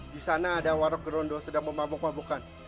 di sana ada warak gerondo sedang memabuk mabukan